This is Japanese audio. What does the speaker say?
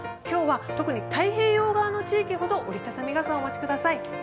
今日は特に太平洋側の地域ほど折り畳み傘をお持ちください。